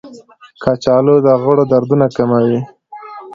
کچالو د غړو دردونه کموي.